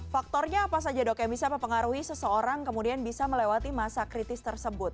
faktornya apa saja dok yang bisa mempengaruhi seseorang kemudian bisa melewati masa kritis tersebut